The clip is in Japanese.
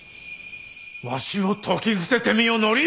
わしを説き伏せてみよ範頼！